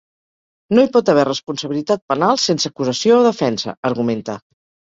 No hi pot haver responsabilitat penal sense acusació o defensa, argumenta.